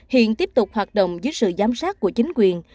hiện tiếp tục hoạt động dưới sự giám sát của chính quyền